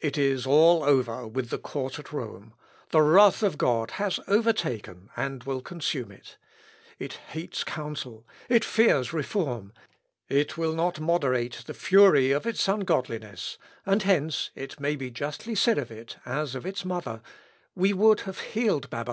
It is all over with the Court at Rome the wrath of God has overtaken and will consume it. It hates counsel it fears reform it will not moderate the fury of its ungodliness; and hence it may be justly said of it as of its mother We would have healed Babylon, but she is not healed; forsake her.